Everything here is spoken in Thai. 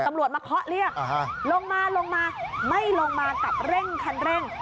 ตำรวจมาเคาะเรียกลงมาลงมาไม่ลงมากับเร่งคันเร่ง